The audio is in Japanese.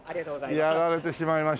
やられてしまいましたね。